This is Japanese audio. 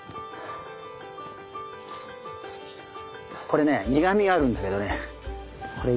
これね苦みがあるんだけどねこれがうまい。